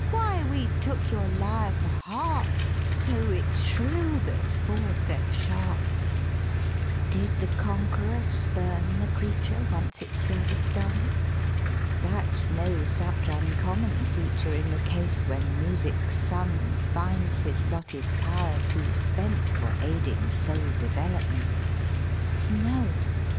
Why, we took your lyre for harp, So it shrilled us forth F sharp!' 210 DRAMATIC MONOLOGUE AND PLAY XI Did the conqueror spurn the creature, Once its service done? That's no such uncommon feature In the case when Music's son Finds his Lotte's power too spent For aiding soul development. XII No!